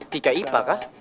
tika ipa kah